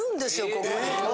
ここに。